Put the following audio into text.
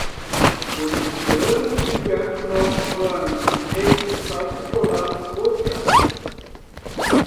Monitoramos de perto nosso burn rate para controlar os gastos.